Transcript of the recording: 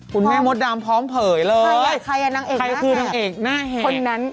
คุณแม่มดดำพร้อมเผยเลยใครคือนางเอกหน้าแหกคนนั้นใครอ่ะนางเอกหน้าแหก